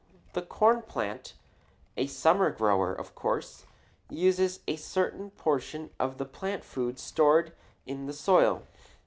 The corn plant, a summer grower, of course uses a certain portion of the plant food stored in the soil.